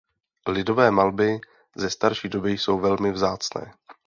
Lidové malby ze starší doby jsou velmi vzácné.